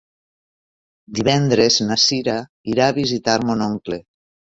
Divendres na Cira irà a visitar mon oncle.